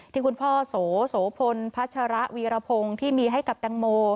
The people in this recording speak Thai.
ที่คุณพ่อโสโสพลพัชระวีรพงศ์ที่มีให้กับแตงโม